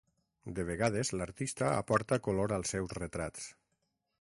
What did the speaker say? De vegades l'artista aporta color als seus retrats.